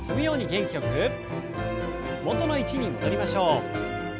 元の位置に戻りましょう。